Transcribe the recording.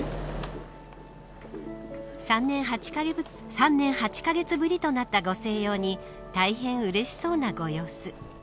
３年８カ月ぶりとなったご静養に大変うれしそうなご様子。